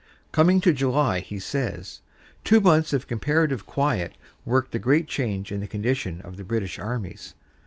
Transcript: Coming to July he says: "Two months of comparative quiet worked a great change in the condition of the British armies.